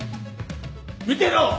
見てろ！